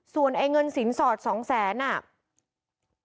ส่วนเงินสินสอด๒๐๐๐๐๐บาท